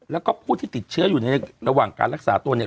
แล้วก็ผู้ที่ติดเชื้ออยู่ในระหว่างการรักษาตัวเนี่ย